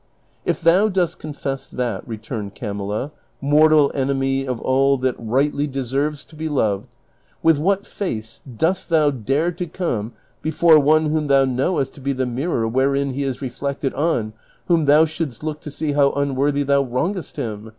" If tho\i dost confess that," returned Camilla, " mortal enemy of all that rightly deserves to be loved, ^vith what face dost thou dare to come before one whom thou knowest to be the miri or wherein he is reflected on whom thou shouldst look to see how unworthy thou wrongest him?